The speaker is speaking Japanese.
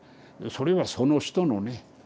それはその人のね